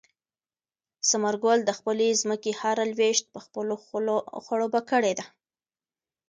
ثمر ګل د خپلې ځمکې هره لوېشت په خپلو خولو خړوبه کړې ده.